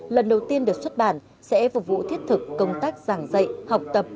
lần đầu tiên được xuất bản sẽ phục vụ thiết thực công tác giảng dạy học tập